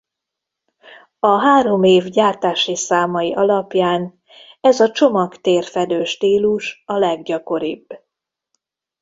A három év gyártási számai alapján ez a csomagtérfedő-stílus a leggyakoribb.